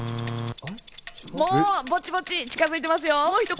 ぼちぼち近づいてますよ。